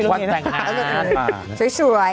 วันแต่งงานสวย